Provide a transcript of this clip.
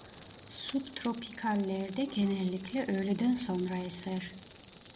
Subtropikallerde genellikle öğleden sonra eser.